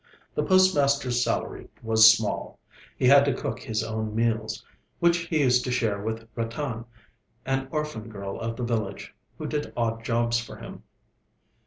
The postmaster's salary was small. He had to cook his own meals, which he used to share with Ratan, an orphan girl of the village, who did odd jobs for him.